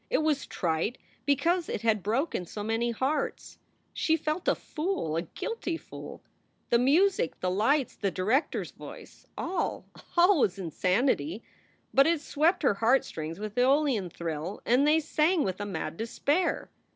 It was trite because it had broken so many hearts. She felt a fool, a guilty fool. The music, the lights, the director s voice all, all was insanity. But it swept her heartstrings with an ^Eolian thrill and they sang with a mad despair.